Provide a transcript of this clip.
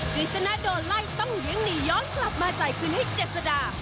ฤษณะโดนไล่ต้องเลี้ยงหนีย้อนกลับมาจ่ายคืนให้เจษดา